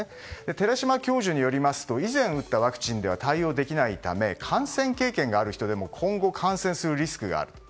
寺嶋教授によりますと以前打ったワクチンでは対応できないため感染経験がある人でも今後感染するリスクがある。